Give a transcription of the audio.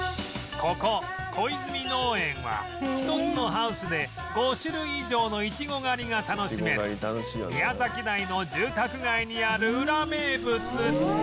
ここ小泉農園は１つのハウスで５種類以上のイチゴ狩りが楽しめる宮崎台の住宅街にあるウラ名物